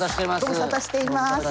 ご無沙汰しています。